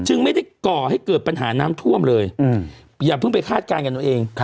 ไม่ได้ก่อให้เกิดปัญหาน้ำท่วมเลยอย่าเพิ่งไปคาดการณ์กันเอาเอง